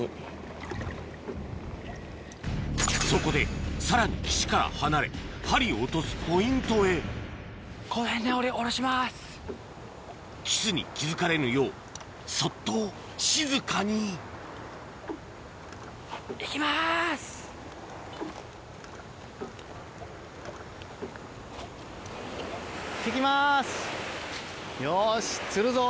そこでさらに岸から離れ針を落とすポイントへキスに気付かれぬようそっと静かによし釣るぞ。